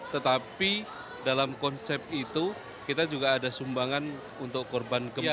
tetapi dalam konsep itu kita juga ada sumbangan untuk korban gempa